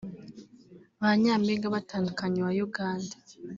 Ba Nyampinga batandukanye uwa Uganda